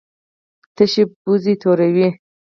تشې پوزې توروي.